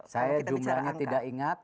saya jumlahnya tidak ingat